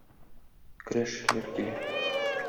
Көрәшчеләр килә.